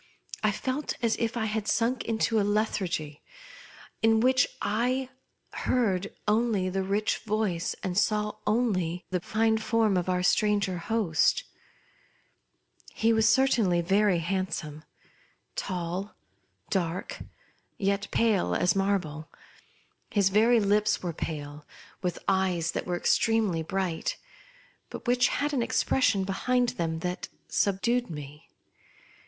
I felt as if I had sunk into a lethargy in which I heard only the rich voice, and saw only the form of our stranger host He was certainly very handsome ; tall, dark, yet pale as marble : his very lips were pale ; with eyes that were extremely bright, but which had an expression behind them that subdued me.